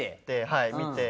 はい見て。